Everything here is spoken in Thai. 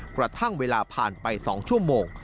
กระทั่งเวลาผ่านไป๒ชั่วโมง